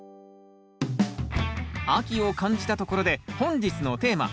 秋を感じたところで本日のテーマ。